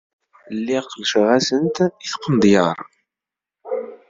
Lliɣ qellceɣ-asent i tqendyar.